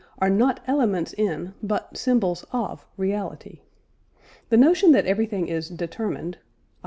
are not elements in, but symbols of, reality. The notion that everything is "determined" (i.